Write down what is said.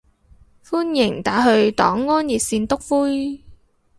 歡迎打去黨安熱線篤灰